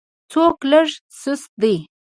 څوک لږ سست دی.